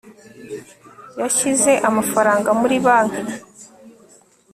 yashyize amafaranga muri banki